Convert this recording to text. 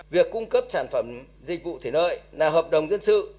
việc cung cấp sản phẩm dịch vụ thủy lợi là hợp đồng dân sự